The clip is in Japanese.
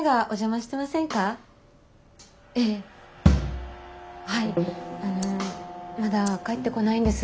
ええはいあのまだ帰ってこないんです。